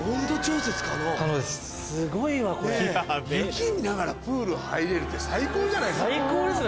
雪見ながらプール入れるって最高じゃないですか。